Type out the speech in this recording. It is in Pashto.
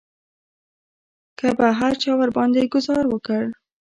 که به هر چا ورباندې ګوزار وکړ.